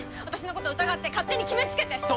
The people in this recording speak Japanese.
私のこと疑って勝手に決めつけて！